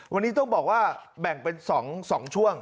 วันนี้ต้องบอกว่าแบ่งเป็น๒ช่วง